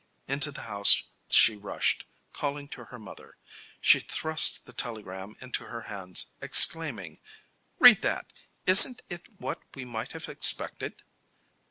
Into the house she rushed, calling to her mother. She thrust the telegram into her hands, exclaiming: "Read that! Isn't it what we might have expected?"